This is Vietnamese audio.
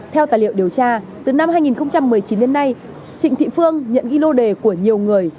theo tài liệu điều tra từ năm hai nghìn một mươi chín đến nay trịnh thị phương nhận ghi lô đề của nhiều người